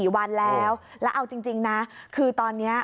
๔วันแล้วแล้วเอาจริงนะคือตอนนี้